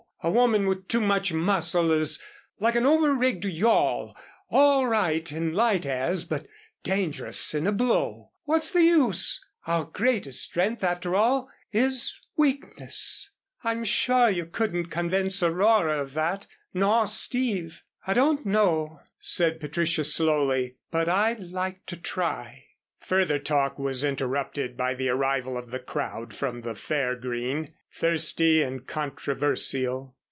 A woman with too much muscle is like an over rigged yawl all right in light airs, but dangerous in a blow. What's the use? Our greatest strength after all, is weakness." "I'm sure you couldn't convince Aurora of that nor Steve." "I don't know," said Patricia, slowly, "but I'd like to try." Further talk was interrupted by the arrival of the crowd from the fair green, thirsty and controversial.